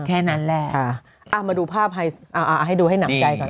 แค่นั้นแหละอ่ามาดูภาพให้อ่าให้ดูให้หนักใจก่อน